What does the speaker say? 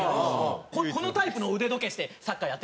このタイプの腕時計してサッカーやってたんでその。